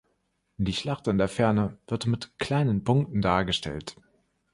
Die Schlacht in der Ferne wird mit kleinen Punkten dargestellt.